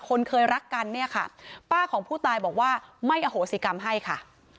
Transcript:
คนเคยรักกันเนี่ยค่ะป้าของผู้ตายบอกว่าไม่อโหสิกรรมให้ค่ะ